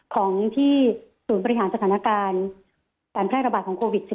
ของที่ศูนย์บริหารสถานการณ์การแพร่ระบาดของโควิด๑๙